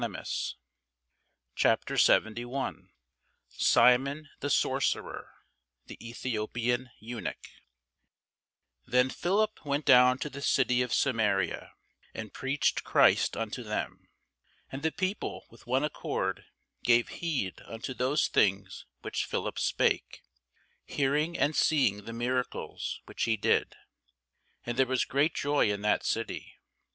CHAPTER 71 SIMON THE SORCERER THE ETHIOPIAN EUNUCH [Sidenote: The Acts 8] THEN Philip went down to the city of Samaria, and preached Christ unto them. And the people with one accord gave heed unto those things which Philip spake, hearing and seeing the miracles which he did. And there was great joy in that city.